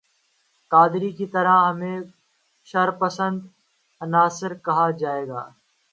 قادری کی طرح ہمیں شرپسند عناصر کہا جائے گا